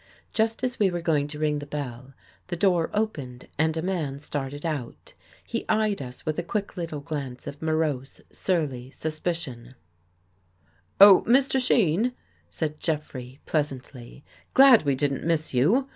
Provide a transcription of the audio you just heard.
Just as we were going to ring the bell, the door opened and a man started out. He eyed us with a quick little glance of morose, surly suspicion. " Oh, Mr. Shean," said Jeffrey, pleasantly. " Glad we didn't miss you.